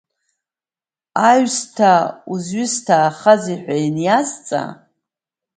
Аҩысҭаа узаҩысҭаахазеи ҳәа ианиазҵаа…